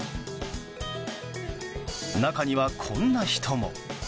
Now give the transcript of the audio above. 中には、こんな人も。